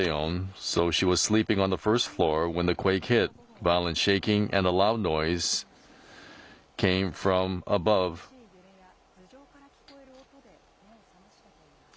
そして、激しい揺れや頭上から聞こえる音で目を覚ましたといいます。